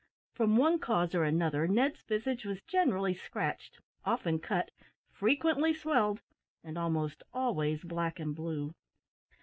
From one cause or another, Ned's visage was generally scratched, often cut, frequently swelled, and almost always black and blue.